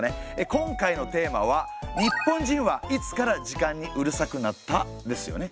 今回のテーマは「日本人はいつから時間にうるさくなった？」ですよね。